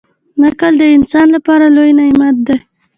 • عقل د انسان لپاره لوی نعمت دی.